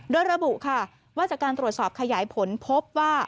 โดยระบุค่ะว่าจากการตรวจสอบขยายผลพบว่า